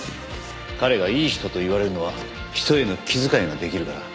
彼がいい人と言われるのは人への気遣いができるから。